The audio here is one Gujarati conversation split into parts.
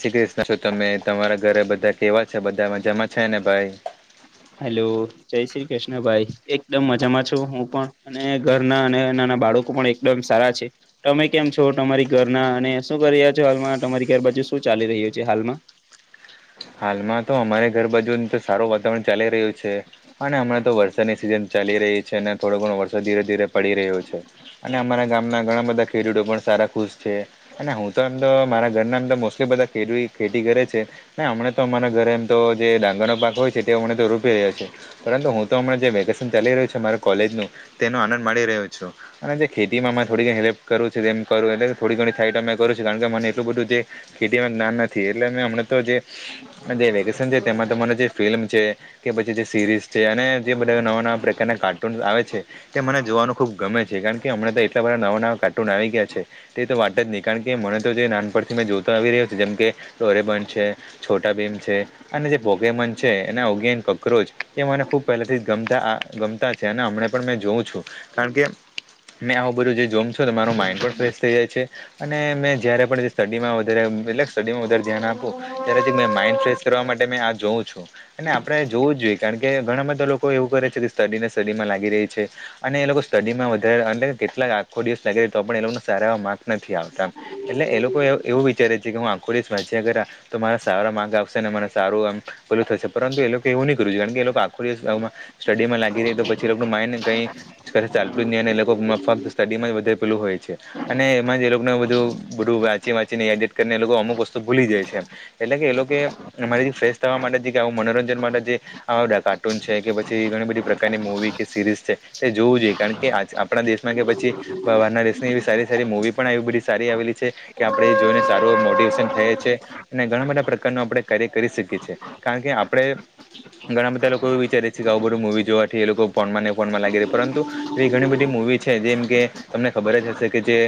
શ્રી કૃષ્ણ છો તમે તમારા ઘરે બધા કેવા છે બધા મજામાં છેને ભાઈ? હેલો, જય શ્રી કૃષ્ણ ભાઈ એકદમ મજામાં છું હું પણ. અને ઘરના અને નાના બાળકો પણ એકદમ સારા છે. તમે કેમ છો? તમારી ઘરના અને શું કરી રહ્યા છો હાલમાં તમારી ઘર બાજુ શું ચાલી રહ્યું છે હાલમાં? હાલમાં તો અમારી ઘર બાજુ તો સારું વાતાવરણ ચાલી રહ્યું છે અને હમણાં તો વરસાદની સિઝન ચાલી રહી છે ને થોડો ઘણો વરસાદ ધીરે ધીરે પડી રહ્યો છે. અને અમારા ગામના ઘણા બધા ખેડૂતો પણ સારા ખુશ છે. અને હું તો એમ તો મારા ઘરના એમ તો મોસ્ટલી બધા ખેતી કરે છે. ના હમણા તો અમારા ઘરે એમ તો જે ડાંગરનો પાક હોય છે તે અમણા તો રૂપી રહ્યા છે. પરંતુ હુંતો હમણાં જે વેકેશન ચાલી રહ્યું છે મારા કોલેજ નું તેનો આનંદ માણી રહ્યો છું. અને જે ખેતીમાં થોડી હેલ્પ કરું છે તેમ કરું એટલે થોડી ઘણી થઇ મે કરું છું કારણ કે મને એટલું બધું જે ખેતીમાં જ્ઞાન નથી એટલે હમણા તો જે વેકેશન છે તેમાં તો મને જે ફિલ્મ છે. કે પછી જે સીરીઝ છે અને જે બધા નવા નવા પ્રકારના કાર્ટૂનસ આવે છે. કે મને જોવાનું ખુબ ગમે છે કારણ કે હમણાં તો એટલા બધા નવા નવા કાર્ટૂન આવી ગયા છે. તે તો વાત જ ની કારણ કે મને તો જે નાન પણથી મેં જોતો આવી રહ્યો છે જેમ કે દોરેમોન છે છોટા ભીમ છે અને જે પોગેમોન છે એના ઓગેન કકરોચ એ મને ખુબ પહેલાથી ગમતા ગમતા છે અને હમને પણ મે જોઉં છું કારણ કે મેં આવું બધું જે જોમ છું તો મારું માઈન્ડ પણ ફ્રેશ થઈ જાય છે અને મેં જયારે પણ સ્ટડીમાં વધારે એટલે સ્ટડીમાં વધારે ધ્યાન આપું ત્યારેથી મે માઇન્ડ ફ્રેશ કરવા માટે મેં આ જોઉં છું અને આપણેે જોવું જ જોઈએ કારણ કે ઘણા બધા લોકો એવું કરે છે કે સ્ટડીને સ્ટડીમાં લાગી રહી છે. અને એ લોકો સ્ટડીમાં વધારે કેટલાક આખો દિવસ લાગે તો પણ એ લોકો સારા એ માર્ક નથી આવતા. એટલે એ લોકો એવું વિચારે છે કે હું આખો દિવસ વાચયા કરા તો મારા સારા માર્ક આવશે ને મને સારું આમ ભલું થશે પરંતુ એ લોકો એવું નઈ કરું જુએ કારણ કે એ લોકો આખો દિવસ આવુમાં સ્ટડી માં લાગી રહી તો પછી લોકોનું માયડને કઈ ચાલતું જ નઈ ને એ લોકો ફક્ત સ્ટડીમાં જ વધે પેલું હોય છે. અને એમાં જ એ લોકોને બધું બધું વાંચી વાંચીને યાદયાત કરી ને એ લોકો અમુક વસ્તુ ભૂલી જાય છે એમ. એટલે કે એ લોકોએ ફેશ થવા માટે જે આવ મનોરંજન માટે જે કાર્ટૂન છે કે પછી ઘણી બધી પ્રકારની મૂવી કે સિરીઝ છે. તે જોવું જોઈએ કારણ કે આપણા દેશમાં કે પછી બારના દેશની એવી સારી સારી મૂવી પણ આવી બધી સારી આવેલી છે. કે આપડે એ જોઈને સારું મોટિવેશન થયે છે. અને ઘણા બધા પ્રકારનું આપણે કાર્ય કરી શકીએ છીએ કારણ કે આપડે ઘણા બધા લોકો એવુ વિચારે છે કે આવુ બધું મુવી જોવાથી એ લોકો ફોનમાં ને ફોનમાં લાગી રહે પરંતુ એ ઘણી બધી મૂવી છે જેમ કે તમને ખબર જ હશે કે જે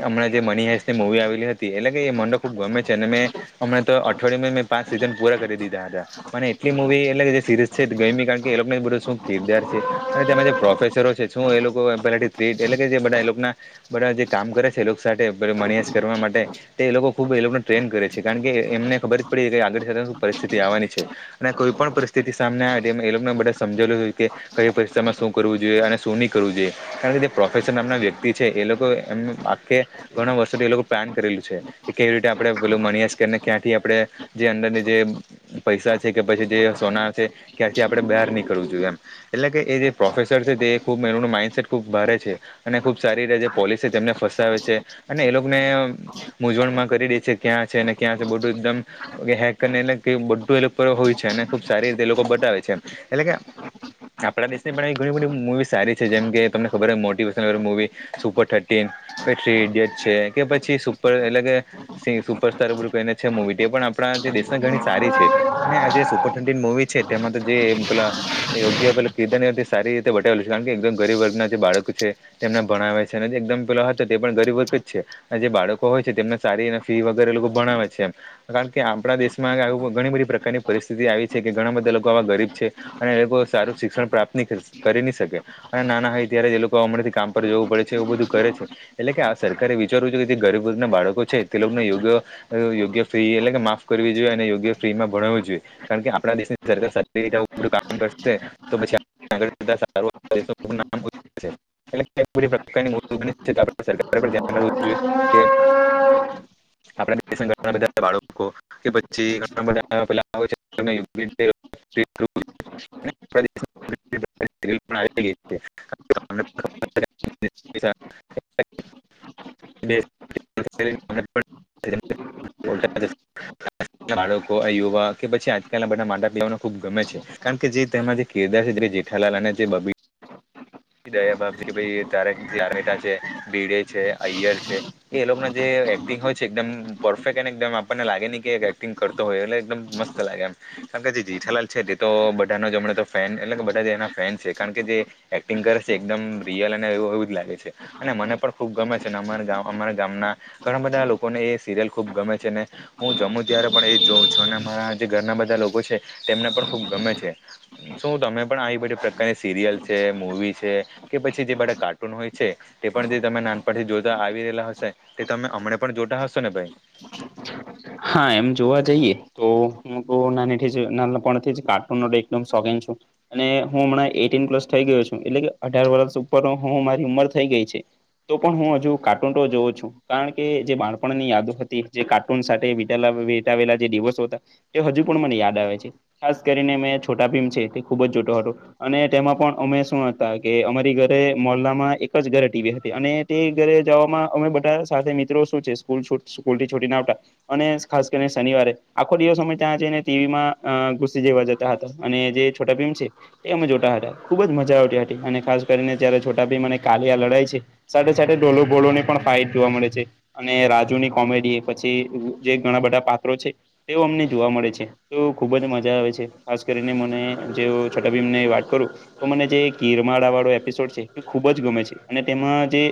હમણાં જે મની હેસની મુવી આવેલી હતી એટલે કે એ મને ખુબ ગમે છે અને મેં હમણા તો અઠવાડયામાં મેં પાંચ સીઝન પૂરા કરી દીધા હતા. મને એટલી મુવી એટલે કે જે સીરીઝ છે ગયમી કારણ કે એ લોકને બધુ શું કીરદાર છે અને તેમાં જે પ્રોફેસરો છે શું એ લોકો પેલાથી થ્રીડ એટલે કે જે બધા એ લોકના બઘાં જે કામ કરે છે એ લોક સાથે મનયાસ કરવા માટે તે એ લોકો ખુબ એ લોકોને ટ્રેન કરે છે. છે કારણ કે એમને ખબર જ પડી કે આગળ શુ પરિસ્થિતિ આવવાની છે. અને કોઈ પણ પરિસ્થિતિ સામને આવે એ લોકોને બધા સમજાવું કે કઈ પરીક્ષામાં શું કરવું જોઈએ અને શું ની કરવું જોઈએ કારણ કે જે પ્રોફેશન નામના વ્યક્તિ છે એ લોકો એમના આખે ઘણા વર્ષોથી એ લોકો પ્લાન કરેલું છે કેવી રીતે આપણે પેલુ મનીએ ને ક્યાંથી આપડે જે અંદરની જે પૈસા છે કે પછી જે સોના છે ક્યાંથી આપણે બહાર નીકળવું જોઈએ એમ એટલે કે એ જે પ્રોફેસર છે તે ખુબ એ માઇન્ડસેટ ખૂબ ભારે છે અને ખુબ સારી જે પોલીસ છે તેમને ફસાવે છે અને એ લોકને મૂઝવણમાં કરી દે છે ક્યાં છેને ક્યાં છે બધું એકદમ હેક કરી એટલે બધું એ લોકો હોય છે અને ખુબ સારી રીતે એ લોકો બતાવે છે એટલે કે આપણા દેશની પણ ઘણી બધી મુવી સારી છે જેમ કે તમને ખબર હે motivational movie super thirteen three idiot છે કે પછી સુપર એટલે કે સુપર તબરું કઈને છે મુવી તે પણ આપણા જે દેશને ઘણી સારી છે અને આ જે સુપર થન્ટીન મુવી છે તેમાં તો જે પેલા યોગ્ય પલે કિદ નીથી સારી રીતે બતાાવેલું છે કારણ કે એકદમ ગરીબ વર્ગના જે બાળકો છે તેમને ભણાવે છે અને એકદમ પેલો હતો તે પણ ગરીબ વર્ગ જ છે. જે બાળકો હોય છે તેમને સારી એ ફી વગેરે લોકો ભણાવે છે એમ કારણ કે આપણા દેશમાં ઘણી બધી પ્રકારની પરિસ્થિતિ આવી છે કે ઘણા બધા લોકો આવા ગરીબ છે. અને એ લોકો સારું શિક્ષણ પ્રાપ્ત કરી ન શકે. અને નાના હોય ત્યારે જે લોકો અમરેથી કામ પર જવું પડે છે એવું બધું કરે છે. એટલે કે આ સરકારે વિચારવું છે કે જે ગરીબ વર્ગ ના બાળકો છે તે લોકોને યોગ્ય યોગ્ય ફ્રી એટલે કે માફ કરવી જોઈએ અને યોગ્ય ફ્રી માં ભણું જોઈએ. કારણ કે આપણા દેશની [inaudible] કામ કરશે તો પછી [unintelligible] [inaudible] એટલે [unintelligible] કે ઘરના બધા બાળકો કે પછી [unintelligible] [unintelligible] [unintelligible] બે [inaudible] [unintelligible] [unintelligible] બાળકો આ યુવા કે પછી આજકાલ ના બધા માટા પિવાને ખુબ ગમે છે કારણ કે જે તેમાં જે કેરદાર છે જે જેઠાલાલ અને જે બબી દયા ભાભી, તારમેટા છે, ભીડે છે, અઐયર છે. એ લોકો ના જે એક્ટિંગ હોય છે એકદમ પરફેક્ટ એકદમ આપણને લાગે નને કે એક્ટિંગ કર તો હોય એટલે એકદમ મસ્ત લાગે એમ કારણ કે જે જીઠાલાલ છે તે તો બધાનો જમણે તો ફેન એટલે કે બધા જે એના ફેન છે કારણ કે જે પિંકર છે એકદમ રિયલ અને એવું એવું જ લાગે છે. અને મને પણ ખુબ ગમે છે અને અમારા અમારા ગામના ઘણા બધા લોકોને એ સિરિયલ ખુબ ગમે છે ને હું જમમુ ત્યારે પણ એ જોઉં છું અને મારા જે ઘરના બધા લોકો છે, તેમને પણ ખુબ ગમે છે. શું તમે પણ આવી બધી પ્રકારની સિરિયલ છે મવી છે કે પછી જે બધા કાર્ટૂન હોય છે તે પણ જે તમે નાનપણથી જોતા આવી રહેલા હશે તે તમે અમને પણ જોતા હશો ને ભાઈ? હા એમ જોવા જઈએ તો હું તો નાની થી જ નાનાપણથી જ કાર્ટુન એકદમ સોખીન છું. અને હું હમણાં એટી પ્લસ થઇ ગયો છું એટલે કે અઢાર વર્ષ ઉપર હું મારી ઉંમર થઇ ગઈ છે તો પણ હું હજુ કારટુ તો જોઉં છું કારણ કે જે બાણપણની યાદો હતી જે કાર્ટૂન સાથે વિતાવેલા જે દિવસો હતા, તે હજુ પણ મને યાદ આવે છે. ખાસ કરીને મેં છોટા ભીમ છે તે ખુબ જ જોટો હતો અને તેમાં પણ અમે શું હતા કે અમારી ઘરે મોલ્લામાં એક જ ઘરે ટીવી હતી અને ઘરે જવામાં અમે બધા સાથે મિત્રો શું છે સુલ સ્કૂલ થી છોટી ના આવતા અને ખાસ કરીને શનિવારે આખો દિવસ અમે ત્યાં જઈને ટીવીમાં ઘુસી જેવા જ હતા અને જે છોટા પેમ છે તે અમે જોટા હતા ખુબ જ મજા આવતી હતી અને ખાસ કરીને જ્યારે છોટા ભાઈ મને કાલિયા લડાય છે સાથે સાથે ડોલો ભોલો ની પણ ફાઇટ જોવા મળે છે અને રાજુ ની કોમેડી એ પછી જે ઘણા બધા પાત્રો છે તે અમને જોવા મળે છે. તો ખુબ જ મજા આવે છે ખાસ કરીને મને જે છોટા ભીને વાત કરું તો મને જે ગીરમાળા વાળો એપિસોડ છે એ ખુબ જ ગમે છે. અને તેમાં જે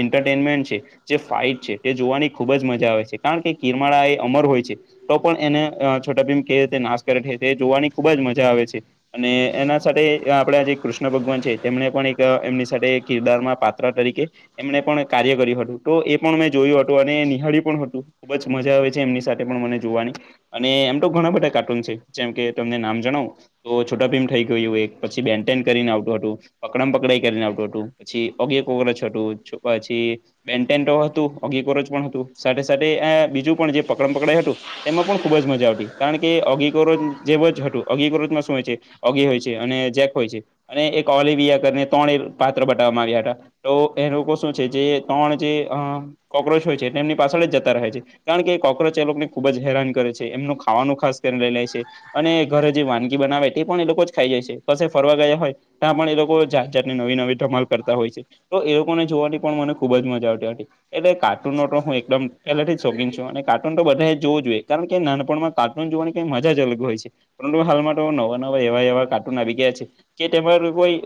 એન્ટરટેનમેન્ટ છે જે ફાઈટ છે તે જોવાની ખુબ જ મજા આવે છે. કારણ કે કિરમાળા એ અમર હોય છે તો પણ એને છોટા ભેમ કેવી રીતે નાશ કરે છે જોવાની ખુબ જ મજા આવે છે. અને એના સાથે આપણા જે કૃષ્ણ ભગવાન છે તેમને પણ એક એમની સાથે કિરદારમાં પાત્ર તરીકે એમણે પણ કાર્ય કર્યું હતું તો એ પણ મેં જોયું હતું અને નિહાળ્યું પણ હતું ખુબ જ મજા આવે છે એમની સાથે પણ મને જોવાની. અને એમ તો ઘણા બધા કાર્ટૂન છે જેમ કે તમને નામ જણાવો તો છોટા ભીમ થઈ ગયું એક પછી બેન ટેન કરીને આવતું હતું. પકડા પકડાઈ કરીને આવતું હતું પછી ઓગે એક ઓગર છટું પછી પન્ટો હતું ઓગી કોરોજ પણ હતું સાથે સાથે બીજું પણ જે પકડ પકડાય હતું એમાં પણ ખુબ જ મજા આવતી કારણ કે અગીિકરોજ જે જ હતું અગીિકરોજમાં શું હોય છે ઓગી હોય છે અને જેક હોય છે અને એક ઓલવિયાને ત્રણ પાત્ર બતાવવામાં આવ્યા હતા તો એ લોકો શું છે જે ત્રણ જે કોક્રોચ હોય છે એમની પાછળ જ જતા છે કારણ કે કોક્રોચ એ લોકોને ખુબ જ હેરાન કરે છે એમનું ખાવાનું ખાસ કરીને લઈ લે છે અને ઘરે જે વાનગી બનાવે તે પણ એ લોકો જ ખાઈ જાય છે, ક ફરવા ગયા હોય ત્યાં પણ એ લોકો જાત જાતની નવી નવી ધમાલ કરતા હોય છે, તો એ લોકો ને જોવાની પણ મને ખુબ જ મજા આવતી એટલે કાર્ટૂનો હું એકદમ પહેલેથી જ શોખીન છું અને કાર્ટૂન તો બધા જ જોવું જોઈએ કારણ કે નાનપણમાં કાર્ટૂન જોવાની કઈ મજા જ અલગ હોય છે. પરંતુ હાલમાં તો નવા નવા એવા એવા કાર્ટૂન આવી ગયા છે. કે તે કોઈ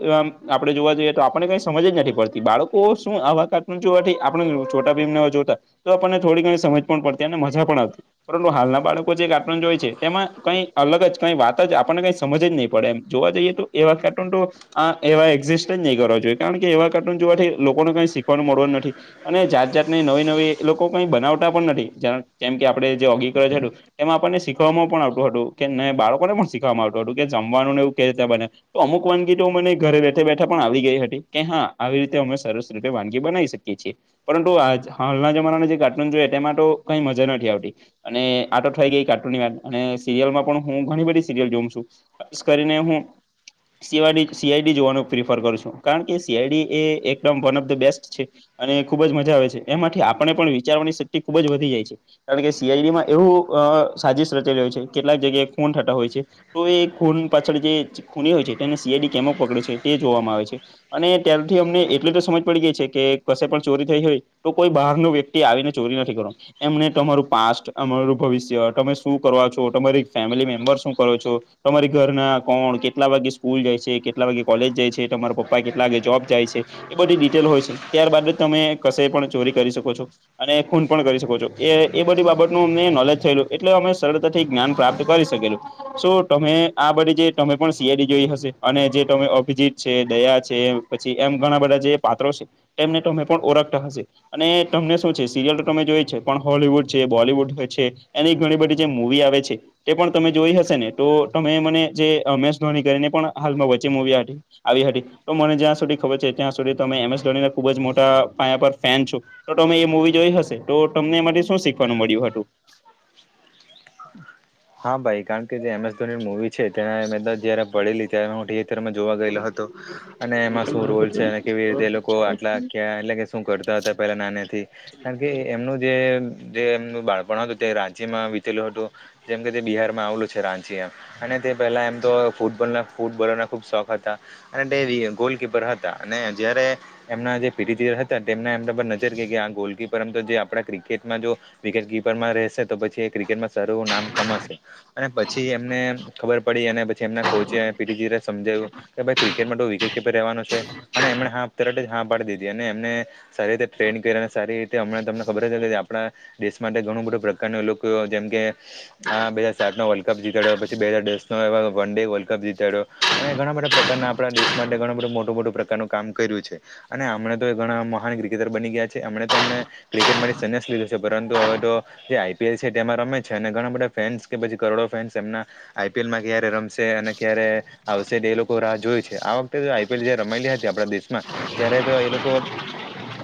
આપડે જોવા જોઈએ તો આપને કઈ સમજ જ નથી પડતી બાળકો શું આવા જોવા આપ છોટા ભ ને જોતા તો આપણને થોડી ઘણી સમજ પણ પડતી અને મજા પણ આવતી પરંતુ હાલના બાળકો જે કા હોય છે એમાં કઈ અલગ જ કઈ વાત જ આપણને કઈ સમજ જ નહીં પડે એમ જોવા જઈએ તો એવા ફેટ તો આ એવા એક્ઝિસ્ટ જ નહીં કરવા જોઈએ કારણ કે એવા કાર્ટૂન જોવાથી લોકોને કઈ શીખવાનું મળવાનું નથી અને જાત જાતની નવી નવી એ લોકો કઈ બનાવતા પણ નથી જેમ કે આપડણે જે ઓગીક છું એમાં આપણને શીખવામાં પણ આવતું હતું કેને બાળકોને પણ શીખવામાં આવતું હતું કે જમવાનું ને એવું કે રીતે બને તો અમુક વાનગી તો મને ઘરે બેઠા બેઠા પણ આવી ગઈ હતી કે હા આવી રીતે અમે સરસ રીતે વાનગી બનાવી શકીએ છીએ પરંતુ આ હાલના જમાનાને જે કાર્ટૂન જો તેમાં તો કઈ મજા નથી આવતી અને આટ થઈ ગઈ કાર્ટૂનની વાત અને સિરિયલમાં પણ હું ઘણી બધી સિરિયલ જોમ છું ખાસ કરીને હું સઆઈડી સીઆઈડી જોવાનું પ્રિફર કરું છું કારણ કે સીઆઈડી એ એક વન ઓફ ધ બેસ્ટ છે અને ખુબ જ મજા આવે છે એ માટેથી આપણે પણ વિચારવાની શક્તિ ખુબ જ વધી જાય છે. કારણ કે સીઆઈડી માં એવું સાજીિશ રચાઈ રહ્યો છે, કેટલાક જગ્યાએ ખોન થટ હોય છે. તો એ ખૂન પાછળ જે ખૂની હોય છે તેને સીઆઈડી કેમો પકડે છે તે જોવામાં આવે છે. અને ત્યારથી અમને એટલી તો સમજ પડી ગઈ છે કે કશે પણ ચોરી થઈ હોય તો કોઈ બહાર ન વ્યક્તિ આવીને ચોરી નથી કરો એમને તમારું પાસ્ટ અમારું ભવિષ્ય તમે શું કરવાો છો તમારી ફેમિલી મેમ્બર શું કરો છો તમારી ઘર ના કોણ કેટલા વાગે સ્કૂલ જાય છે, કેટલા વાગે કોલેજ જાય છે. તમારા પપ્પા કેટલાે જોબ જાય છે. બધી ડિટેલ હોય છે, ત્યારબાદ જ તમે કશે પણ ચોરી કરી શકો છો અને ખૂન પણ કરી શકો છો એ એ બધી બાબતનુંું અમને નોલેજ થયેલું એટલે અમે સરળતાથી જ્ઞાન પ્રાપ્ત કરી શકેલું સો તમે આ બધી જે તમે પણ સીિયાડી જોઈ હશે અને જે તમે અભિજીત છે, દયા છે. પછી એમ ઘણા બધા જે પાત્રો છે, તેમને તમે પણ ઓરખતા હશે અને તમને છે સિરિયલ તો તમે જોય છે, પણ હોલીવુડ છે, બોલીવુડ છે, એની ઘણી બધી જે મુવી આવે છે. તે પણ તમે જોઈ હશે ને તો તમે મને જે હમેશ ધોની કરીને પણ હાલમાં વચ્ચે મુવી આ આવી સા તો મને જ્યાં સુધી ખબર છે, ત્યાં સુધી તમે એમસ ધોની ખુબ જ મોટા પાયા પર ફેન છો તોમે મુવી જોઈ હશે તો તમને એ શું શીખવાનું મળ્યું હતું હા ભાઈ કારણ કે જે એમ એસ ધો મુવી છે, તેના જયારે પડેલી ત્યારે હું થિયેટરમાં જોવા ગયેલો હતો અને એમાં શું રોલ છે, અને કેવી રીતે એ લોકો આટલા ક્યા એટલે કે શું કરતા હતા પેલા નાનાથી કારણ કે એમનું જે એમનું બાળપણ હતું તે રાંચીમાં વીતેલું હતું જેમ કે તે બિહારમાં આવેલું છે, રાંચી એમ અને તે પહેલાં એમ તો ફૂટબોલના ફૂટ બોલવાના ખૂબ શોખ હતા અને તે ગોલકીપર હતા અને જયારે એમના જે પી હતા ને એમ નજર કે ગોલકીપરમ તો આપ ક્રિકેટમાં જો વિકેટ કપરમાં રહે તો પછી એ ક્રિકેટમાં સારું નામ કમાશે અને પછી એમને ખબર પડી અને પછી એમના કોચ પીટીજી સમજાવ્યું કે ભાઈ ક્રિકેટ માટે વિકેટ કીપર રહેવાનું છે અને એમણે હા તત જ હા પાડી દીધી અને એમને સારી રીતે ટ્રેન્ડ કર અને સારી રીતે હમં તમનેબર જ આપણા દેશ માટે ઘણું બધું લોકો જેમ કે હા બે હજર સાત નો વર્લ્ડ કપ જીતાડ્યો પછી બે હજર દસ નો વન ડે વર્લ્ડ કપ જીતાડ્યો અને ઘણા બધા પ્રકારના આપણા દેશ માટે ઘણા બધું મોટું મોટું પ્રકારનું કામ કર્યું છે અને હમણા તો ઘણા મહાન ક્રિકેટર બની ગયા છે એમણે તો હમને ક્રિકેટમાંથી સ્યાસ લીધો છે પરંતુ હવે તો જે છે તેમાં રમે છે અને ઘણા બધા ફેન્સ કે પછી કરોડો ફેસ એમના આઈપીએલ માં ક્યારે રમશે અને ક્યારે આવશેટ એ લોકો રાહ જોય છે આ વખતે આઈપીએલ જે રમાયલી હતી આપણા દેશમાં ત્યારે તો એ લોકો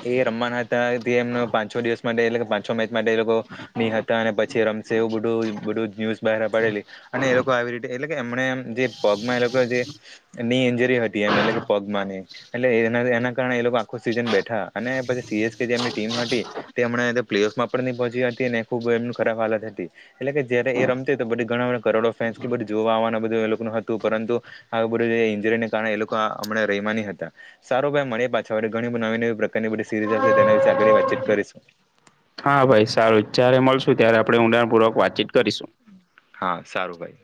એ રમવાના હતા એમ પાંચો દિવસ માટે પાંચો મેચ માટે એ લોકો ની હતા અને પછી રમશે એવું બધું બધું ન્યૂઝ બહાર પડેલી અને એ લોકો આવી રીતે એટલે કે એમને એમ જે પગમાં એ લોકો જે ની એન્જરી હતી એમ એટલે કે પગ ની એટલે એના કારણે એ લોકો આખું સીઝન બેઠા અને પછી સીએસ કે જેમની ટીમ હતી તે હમણાં પ્લે ઓફમાં પણ નહી પહોંચી હતી ને ખુબ એમની ખરાબ હાલત હતી એટલે કે જયારે એ રમતી તો બધ ઘણા બધા કરોડો ફેસ કે બધું જોવા બધું એ લોકોનું હતું પરંતુ આ બધું ઇન્જરીને કારણે એ લોકો હમણાં રહીમાની હતા સારું ભાઈ મળે પાછો ઘણી બધી નવી નવી પ્રકારની બધી સીરીઝ હશે તેના વિશે આગળ વાતચીત કરીશું હા ભાઈ સારું જય્યારે મળશું ત્યારે આપણે ઉઊડાણપૂર્વક વાતચીત કરીશું હા સારું ભાઈ